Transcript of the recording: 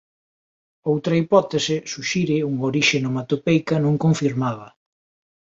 Outra hipótese suxire unha orixe onomatopeica non confirmada.